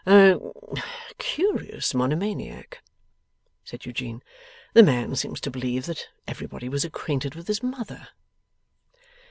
'A curious monomaniac,' said Eugene. 'The man seems to believe that everybody was acquainted with his mother!